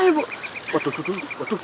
ibu gak apa apa